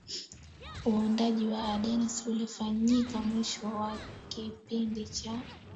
uundaji wa Andes ulifanyika mwishoni mwa Kipindi cha